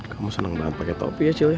kamu seneng banget pake topi ya cil ya